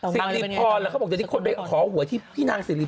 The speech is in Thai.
สิริพรเขาบอกจะได้คนไปขอหัวที่พี่นางสิริพร